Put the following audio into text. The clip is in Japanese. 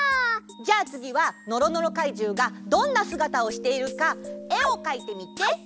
じゃあつぎはのろのろかいじゅうがどんなすがたをしているかえをかいてみて！